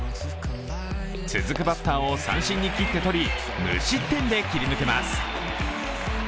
続くバッターを三振に切って取り、無失点で切り抜けます。